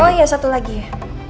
oh iya satu lagi ya